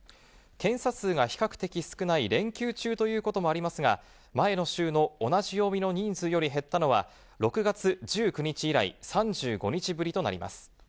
検査数が比較的少ない連休中ということもありますが、前の週の同じ曜日の人数より減ったのは、６月１９日以来、３５日ぶりとなります。